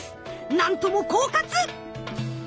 なんとも狡猾！